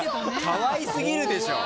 かわいすぎるでしょ！